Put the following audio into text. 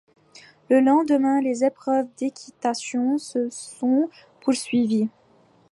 Le lendemain, les épreuves d'équitation se sont poursuivies.